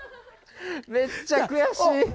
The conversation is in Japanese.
めっちゃ悔しい。